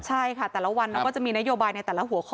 ใช่ค่ะแต่ละวันเราก็จะมีนโยบายในแต่ละหัวข้อ